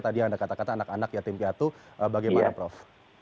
tadi anda katakan anak anak yatim piatu bagaimana prof